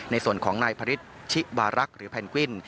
ในส่วนของนายพชิบารักร์หรือแพนกวิน